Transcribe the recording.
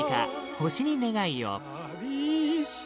「星に願いを」